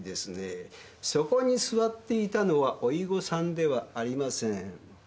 そこに座っていたのは甥御さんではありません。